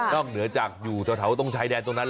ต้องเหนือจากอยู่ละทะวะตรงทะวะตรงใยแดดตรงนั้นแล้ว